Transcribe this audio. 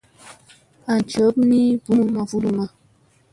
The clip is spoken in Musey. An jup ni bunu maa vudunna.